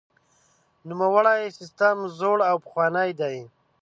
نوموړی سیستم زوړ او پخوانی دی.